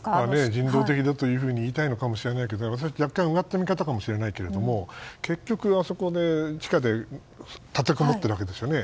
人道的だと言いたいのかもしれないけどうがった見方かもしれないけど結局、地下で立てこもってるわけですよね。